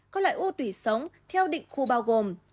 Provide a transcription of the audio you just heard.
có loại u tùy sống theo định khu bao gồm